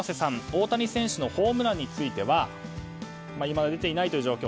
大谷選手のホームランについては今出ていないという状況